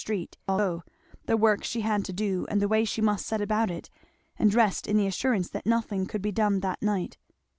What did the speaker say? She was fain to let it all go the work she had to do and the way she must set about it, and rest in the assurance that nothing could be done that night.